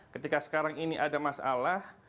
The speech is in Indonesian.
ketika sekarang ini ada masalah